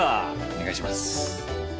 お願いします。